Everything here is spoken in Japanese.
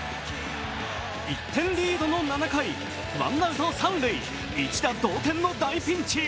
１点リードの７回、ワンナウト三塁、一打同点の大ピンチ。